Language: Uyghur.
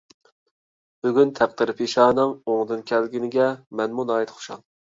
بۈگۈن تەقدىر - پېشانەڭ ئوڭدىن كەلگىنىگە مەنمۇ ناھايىتى خۇشال.